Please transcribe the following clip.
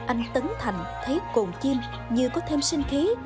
anh tấn thành thấy cồn chim như có thêm sinh kế